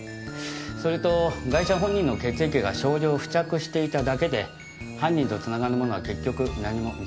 それとガイシャ本人の血液が少量付着していただけで犯人と繋がるものは結局何も見つかりませんでした。